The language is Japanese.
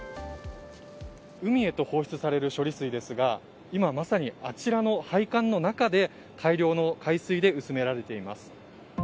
海へと放出される処理水ですが今まさにあちらの配管の中で大量の海水で薄められています。